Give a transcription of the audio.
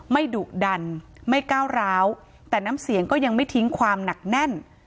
ดุดันไม่ก้าวร้าวแต่น้ำเสียงก็ยังไม่ทิ้งความหนักแน่น